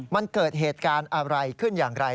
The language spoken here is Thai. มันเกิดเหตุการณ์อะไรขึ้นอย่างไร